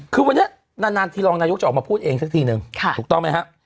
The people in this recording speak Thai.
คือวันนี้นานธีรองนายุ้คจะออกมาพูดเองซักทีนึงตรงมั้ยฮะ